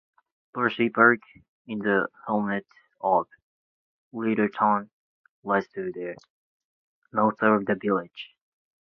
Loseley Park, in the hamlet of Littleton, lies to the north of the village.